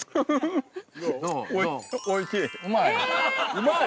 うまい？